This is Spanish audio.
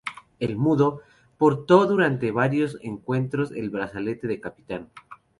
El "Mudo" portó durante varios encuentros el brazalete de capitán.